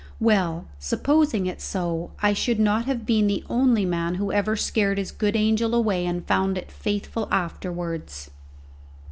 Well, supposing it so, I should not have been the only man who ever scared his good angel away and found it faithful afterwards.